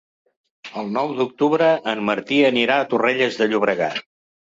El nou d'octubre en Martí anirà a Torrelles de Llobregat.